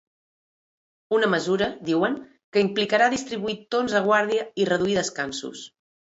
Una mesura, diuen, que implicarà distribuir torns de guàrdia i reduir descansos.